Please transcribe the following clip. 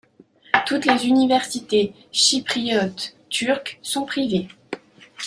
Toutes les universités chypriotes turques sont privées.